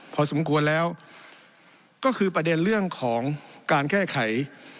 พอสมควรแล้วก็คือประเด็นเรื่องของการแก้ไข